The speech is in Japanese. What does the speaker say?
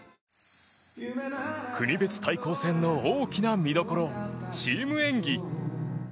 国別対抗戦の大きな見どころチーム演技。